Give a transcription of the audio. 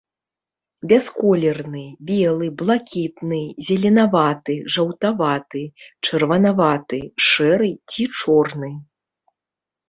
Бясколерны, белы, блакітны, зеленаваты, жаўтаваты, чырванаваты, шэры ці чорны.